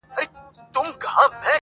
• شاوخوا یې بیا پر قبر ماجر جوړ کئ,